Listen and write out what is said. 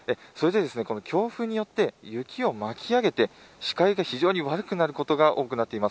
強風によって雪を巻き上げて視界が非常に悪くなることが多くなっています。